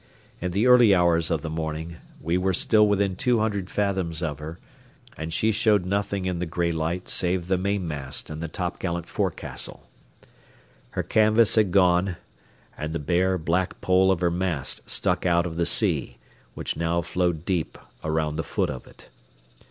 In the early hours of the morning, we were still within two hundred fathoms of her; and she showed nothing in the gray light save the mainmast and the topgallant forecastle. Her canvas had gone, and the bare black pole of her mast stuck out of the sea, which now flowed deep around the foot of it.